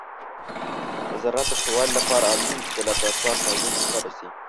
د زراعت د ښه لپاره اړینه ده چې د لابراتور تحلیلونه ترسره شي.